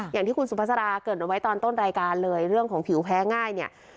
อย่างที่คุณสุภาษาราเกิดเอาไว้ตอนต้นรายการเลยเรื่องของผิวแพ้ง่ายเนี่ย